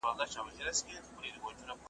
په دلیل او په منطق ښکلی انسان دی `